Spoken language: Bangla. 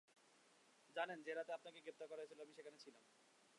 জানেন, যে রাতে আপনাকে গ্রেপ্তার করা হয়েছিলো আমি সেখানে ছিলাম।